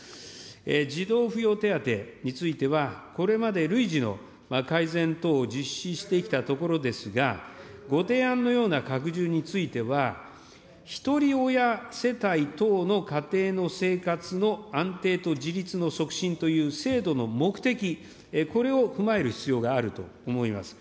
児童扶養手当については、これまで累次の改善等を実施してきたところですが、ご提案のような拡充については、ひとり親世帯等の家庭の生活の安定と自立の促進という制度の目的、これを踏まえる必要があると思います。